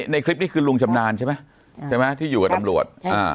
ในคลิปนี้คือลุงชำนาญใช่ไหมใช่ไหมที่อยู่กับตำรวจ